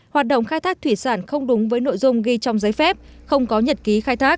hoạt động khai thác thủy sản không đúng với nội dung ghi trong giấy phép không có nhật ký khai thác